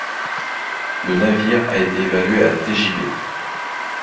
Le navire a été évaluée à tjb.